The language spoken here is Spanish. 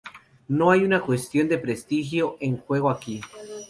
No hay una cuestión de prestigio en juego aquí.